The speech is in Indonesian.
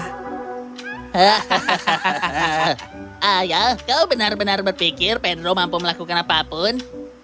hahaha ayah kau benar benar berpikir pedro mampu melakukan apapun